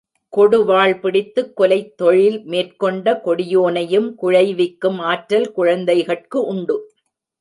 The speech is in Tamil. கொடுவாள் பிடித்துக் கொலைத் தொழில் மேற்கொண்ட கொடியோனையும் குழைவிக்கும் ஆற்றல் குழந்தைகட்கு உண்டு.